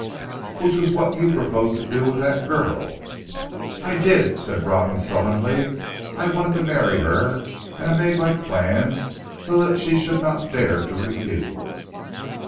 "Which was what you proposed to do with that girl!" "I did," said Robin sullenly. "I wanted to marry her; and I made my plans so that she should not dare to refuse."